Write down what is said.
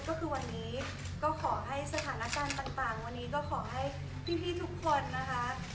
ก็คือวันนี้ก็ขอให้สถานการณ์ต่างวันนี้ก็ขอให้พี่ทุกคนนะคะ